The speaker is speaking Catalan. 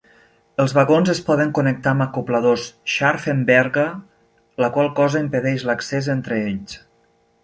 Els vagons es poden connectar amb acobladors Scharfenberger, la qual cosa impedeix l'accés entre ells.